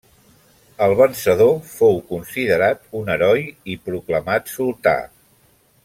El vencedor fou considerat un heroi i proclamat sultà.